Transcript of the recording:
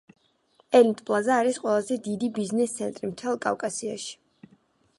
ელიტ პლაზა არის ყველაზე დიდი ბიზნეს ცენტრი მთელ კავკასიაში.